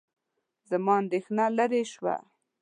زما اندېښنه لیرې شوه.